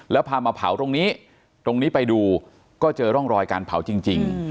แล้วพามาเผาตรงนี้ตรงนี้ไปดูก็เจอร่องรอยการเผาจริง